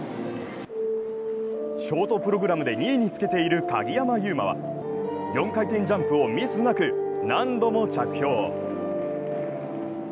ショートプログラムで２位につけている鍵山優真は、４回転ジャンプをミスなく、何度も着氷。